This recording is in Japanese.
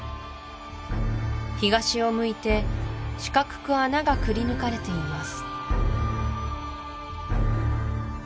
東を向いて四角く穴がくりぬかれています